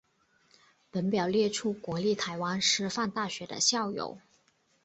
本表列出国立台湾师范大学的校友。